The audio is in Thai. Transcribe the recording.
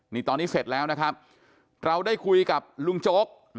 นี่ตอนนี้เสร็จแล้วนะครับเราได้คุยกับลุงโจ๊ก